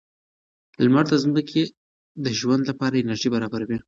لمر د ځمکې د ژوند لپاره انرژي برابروي.